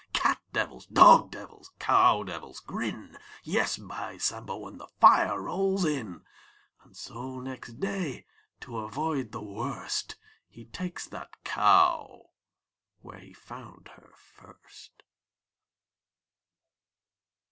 Cat devils, dog devils, cow devils grin — Yes, by Sambo, And the fire rolls in. 870911 100 VACHEL LINDSAY And so, next day, to avoid the worst — He ta'kes that cow Where he found her first.